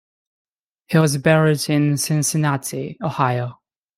He was buried in Cincinnati, Ohio.